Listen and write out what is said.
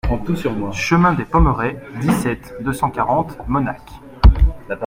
Chemin des Pommerais, dix-sept, deux cent quarante Mosnac